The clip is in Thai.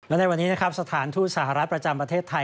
และในวันนี้นะครับสถานทูตสหรัฐประจำประเทศไทย